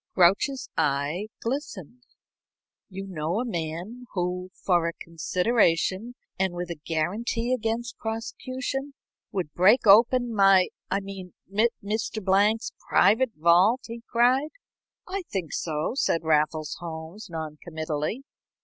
Grouch's eye glistened. "You know a man who, for a consideration and with a guarantee against prosecution, would break open my I mean Mr. Blank's private vault?" he cried. "I think so," said Raffles Holmes, noncommittally.